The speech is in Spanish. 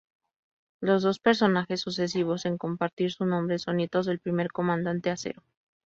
Los dos personajes sucesivos en compartir su nombre son nietos del primer Comandante Acero.